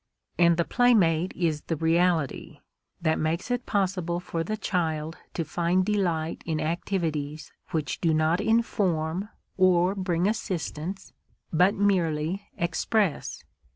And the playmate is the Reality, that makes it possible for the child to find delight in activities which do not inform or bring assistance but merely express.